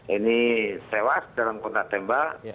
ini tewas dalam kontak tembak